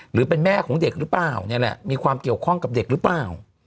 หรือเป็นแม่ของเด็กหรือเปล่าเนี่ยแหละมีความเกี่ยวข้องกับเด็กหรือเปล่า